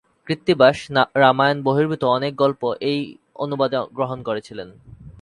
কৃত্তিবাস রামায়ণ-বহির্ভূত অনেক গল্প এই অনুবাদে গ্রহণ করেছিলেন।